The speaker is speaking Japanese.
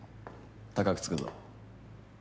高くつくぞ。